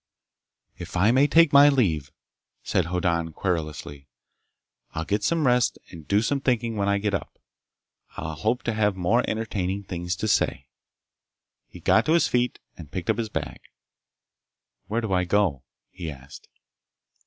"If I may take my leave," said Hoddan querulously, "I'll get some rest and do some thinking when I get up. I'll hope to have more entertaining things to say." He got to his feet and picked up his bag. "Where do I go?" he asked.